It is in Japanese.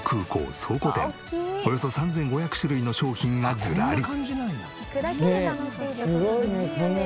およそ３５００種類の商品がずらり。